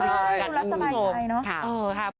ดูแล้วสมัยไงเนอะ